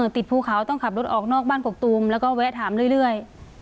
ภูเขาต้องขับรถออกนอกบ้านกกตูมแล้วก็แวะถามเรื่อย